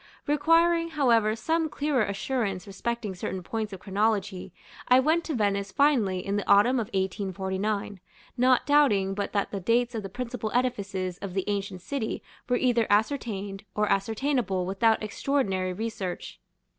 Requiring, however, some clearer assurance respecting certain points of chronology, I went to Venice finally in the autumn of 1849, not doubting but that the dates of the principal edifices of the ancient city were either ascertained, or ascertainable without extraordinary research.